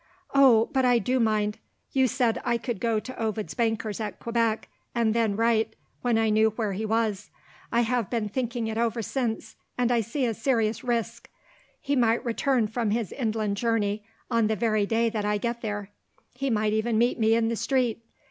"Oh, but I do mind! You said I could go to Ovid's bankers at Quebec, and then write when I knew where he was. I have been thinking over it since and I see a serious risk. He might return from his inland journey, on the very day that I get there; he might even meet me in the street.